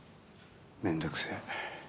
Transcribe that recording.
めんどくせえ。